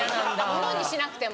物にしなくても。